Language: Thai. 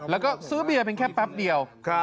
แล้วก็ซื้อเบียร์เป็นแค่แป๊บเดียว